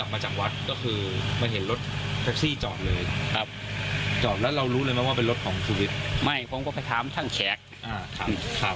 มารู้อีกทีต่อนั้นหรอ